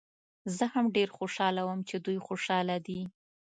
زه هم ډېر خوشحاله وم چې دوی خوشحاله دي.